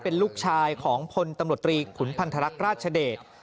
เป็นลูกชายของพลตำรวจตรีขุนพันธรรคราชเดช